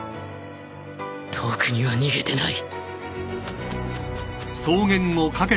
遠くには逃げてない